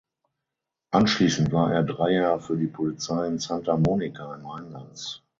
Anschließend war er drei Jahre für die Polizei in Santa Monica im Einsatz.